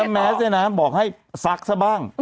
แล้วแมซเฮ้แมนนะบอกให้สักซะบ้าง